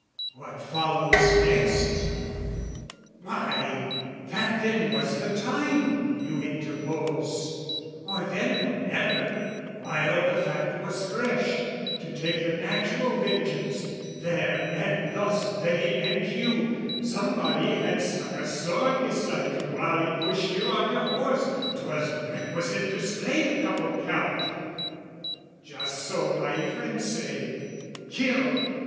What follows next? "Why, that then was the time," you interpose, "Or then or never, while the fact was fresh, "To take the natural vengeance: there and thus "They and you, somebody had stuck a sword "Beside you while he pushed you on your horse, "'Twas requisite to slay the couple, Count!" Just so my friends say "Kill!"